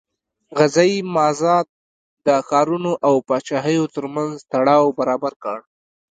غذایي مازاد د ښارونو او پاچاهیو ترمنځ تړاو برابر کړ.